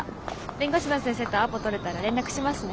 弁護士の先生とアポとれたら連絡しますね。